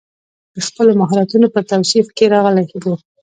د خپلو مهارتونو پر توصیف کې راغلی و.